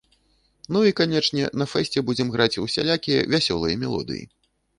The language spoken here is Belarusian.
Ну і, канечне, на фэсце будзем граць усялякія вясёлыя мелодыі.